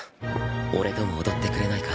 俺とも踊ってくれないか？